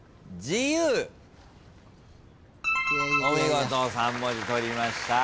お見事３文字取りました。